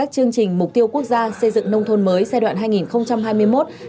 chuyên đề ba